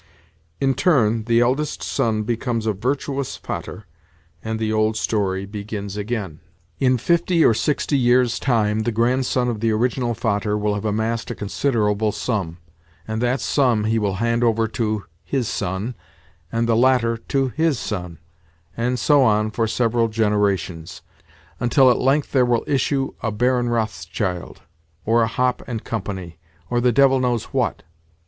In turn the eldest son becomes a virtuous 'Vater,' and the old story begins again. In fifty or sixty years' time the grandson of the original 'Vater' will have amassed a considerable sum; and that sum he will hand over to, his son, and the latter to his son, and so on for several generations; until at length there will issue a Baron Rothschild, or a 'Hoppe and Company,' or the devil knows what!